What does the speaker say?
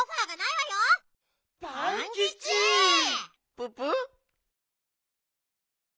ププ？